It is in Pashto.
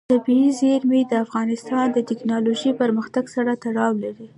طبیعي زیرمې د افغانستان د تکنالوژۍ پرمختګ سره تړاو لري.